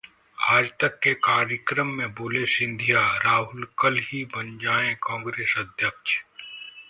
'आजतक' के कार्यक्रम में बोले सिंधिया, राहुल कल ही बन जाएं कांग्रेस अध्यक्ष